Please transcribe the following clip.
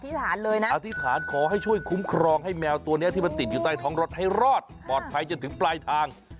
เลยนะอธิษฐานขอให้ช่วยคุ้มครองให้แมวตัวนี้ที่มันติดอยู่ใต้ท้องรถให้รอดปลอดภัยจนถึงปลายทาง